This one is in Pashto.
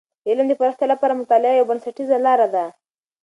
د علم د پراختیا لپاره مطالعه یوه بنسټیزه لاره ده.